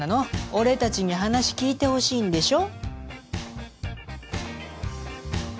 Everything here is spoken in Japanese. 俺達に話聞いてほしいんでしょ？